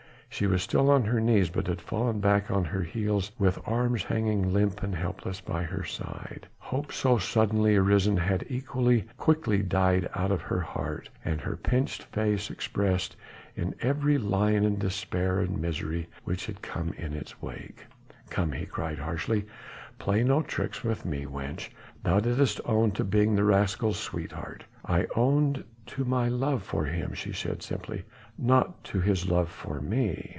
She was still on her knees, but had fallen back on her heels, with arms hanging limp and helpless by her side. Hope so suddenly arisen had equally quickly died out of her heart, and her pinched face expressed in every line the despair and misery which had come in its wake. "Come!" he cried harshly, "play no tricks with me, wench. Thou didst own to being the rascal's sweetheart." "I owned to my love for him," she said simply, "not to his love for me."